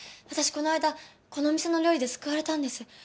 私この間このお店の料理で救われたんです。